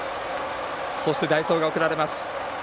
そして代走が送られます。